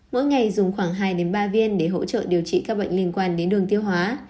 mỗi ngày dùng khoảng hai ba viên để hỗ trợ điều trị các bệnh liên quan đến đường tiêu hóa